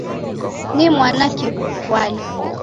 Ni mwana kiwale!